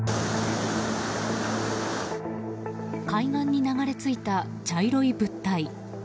海岸に流れ着いた茶色い物体。